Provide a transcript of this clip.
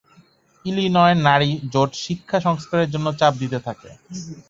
Illinois নারী জোট শিক্ষা সংস্কারের জন্য চাপ দিতে থাকে।